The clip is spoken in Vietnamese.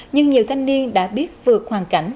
nhưng nhiều thanh niên đã biết vượt hoàn cảnh